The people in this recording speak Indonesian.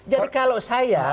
jadi kalau saya